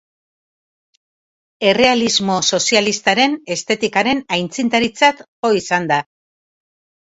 Errealismo sozialistaren estetikaren aitzindaritzat jo izan da.